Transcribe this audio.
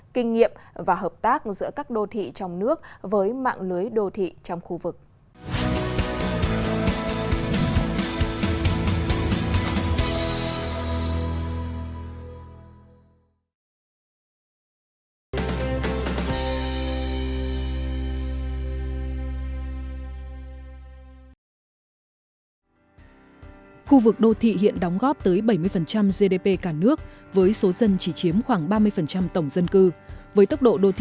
kinh nghiệm và hợp tác giữa các đô thị trong nước với mạng lưới đô thị trong khu vực